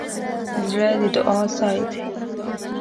زړه د دعا ځای دی.